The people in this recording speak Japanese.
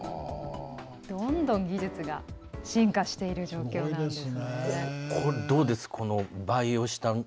どんどん技術が進化している状況です。